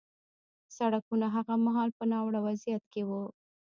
سړکونه هغه مهال په ناوړه وضعیت کې وو